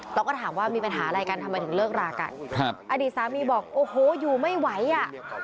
เราก็ถามว่ามีปัญหาอะไรกันทำไมถึงเลิกรากันครับอดีตสามีบอกโอ้โหอยู่ไม่ไหวอ่ะ